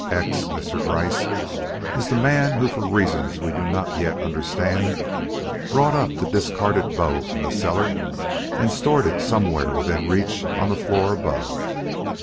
X, Mr. Gryce, is the man who for reasons we do not yet understand brought up the discarded bow from the cellar and stored it somewhere within reach on the floor above.